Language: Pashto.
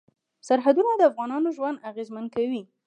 سرحدونه د افغانانو ژوند اغېزمن کوي.